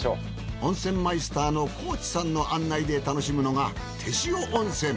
温泉マイスターの河内さんの案内で楽しむのがてしお温泉。